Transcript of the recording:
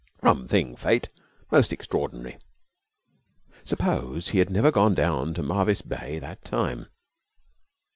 Rum thing, Fate! Most extraordinary! Suppose he had never gone down to Marvis Bay that time.